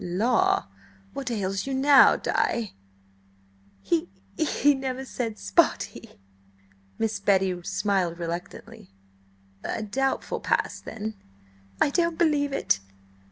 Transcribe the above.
"La! What ails you now, Di?" "H he never said–spotty." Miss Betty smiled reluctantly. "A doubtful past, then." "I don't believe it!"